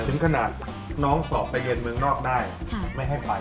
ถึงขนาดน้องสอบไปเรียนเมืองนอกได้ไม่ให้ไป